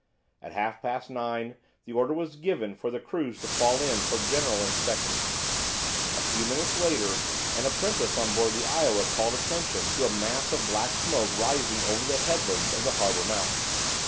At half past nine the order was given for the crews to fall in for general inspection. A few minutes later an apprentice on board the "Iowa" called attention to a mass of black smoke rising over the headlands of the harbour mouth.